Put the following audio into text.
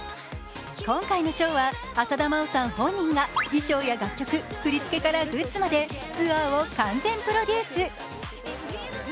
今回のショーは浅田真央さん本人が衣装や楽曲、振り付けからグッズまでツアーを完全プロデュース。